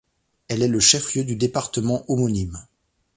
Elle est le chef-lieu du département homonyme.